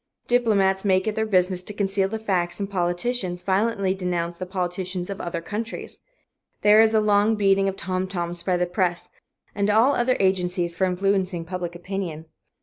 Diplomats make it their business to conceal the facts, and politicians violently denounce the politicians of other countries. There is a long beating of tom toms by the press and all other agencies for influencing public opinion.